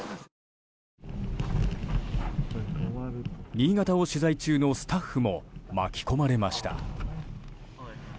新潟を取材中のスタッフも巻き込まれました。